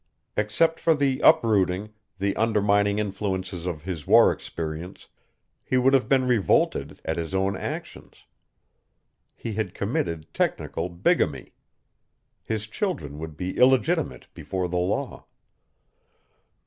Except for the uprooting, the undermining influences of his war experience, he would have been revolted at his own actions. He had committed technical bigamy. His children would be illegitimate before the law.